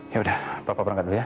yaudah papa berangkat dulu ya